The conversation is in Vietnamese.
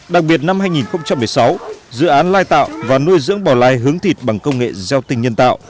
đặc biệt năm hai nghìn một mươi sáu dự án lai tạo và nuôi dưỡng bò lai hướng thịt bằng công nghệ gieo tinh nhân tạo